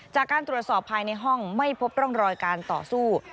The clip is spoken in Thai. จากการตรวจสอบภายในห้องไม่พบร่องรอยการต่อสู้